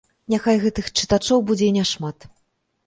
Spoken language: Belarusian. Няхай гэтых чытачоў будзе і няшмат.